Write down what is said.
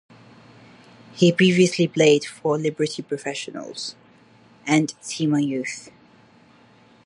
He previously played for Liberty Professionals and Tema Youth.